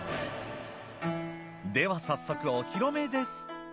では早速お披露目です。